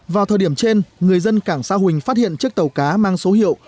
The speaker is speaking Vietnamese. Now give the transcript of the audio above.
vào thời điểm trên người dân cảng sa huỳnh phát hiện chiếc tàu cá mang số hiệu